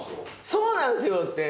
「そうなんですよ」って。